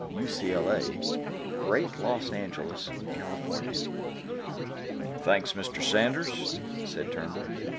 U.C.L.A., Great Los Angeles, California. "Thanks, Mr. Sanders," said Turnbull.